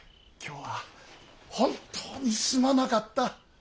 今日は本当にすまなかった。